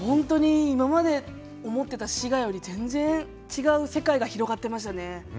今まで思っていた滋賀より全然違う世界が広がっていましたね。